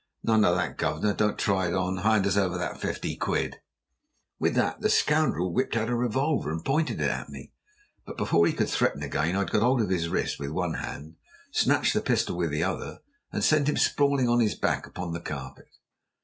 "None o' that, governor. Don't you try it on. Hand us over that fifty quid." With that the scoundrel whipped out a revolver and pointed it at me. But before he could threaten again I had got hold of his wrist with one hand, snatched the pistol with the other, and sent him sprawling on his back upon the carpet.